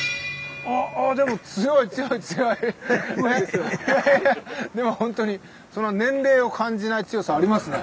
あでもでもほんとに年齢を感じない強さありますね。